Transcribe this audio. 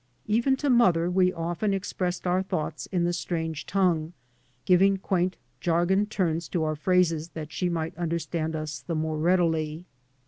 Even to mother we often expressed our thoughts In the strange tongue, giving quaint jargon turns to our phrases that she might understand us the more readily.